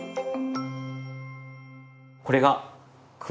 これが栗。